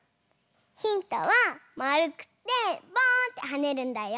ヒントはまるくてポーンってはねるんだよ。